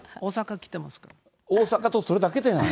大阪と、それだけじゃない。